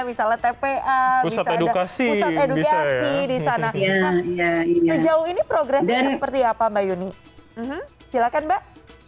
misalnya tpa bisa ada pusat edukasi di sana sejauh ini progresnya seperti apa mbak yuni silahkan mbak